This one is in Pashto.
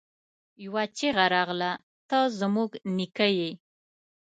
يوه چيغه راغله! ته زموږ نيکه يې!